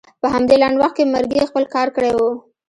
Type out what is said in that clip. په همدې لنډ وخت کې مرګي خپل کار کړی و.